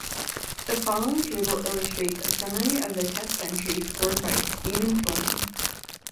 The following table illustrates a summary of the Test centuries scored by Stephen Fleming.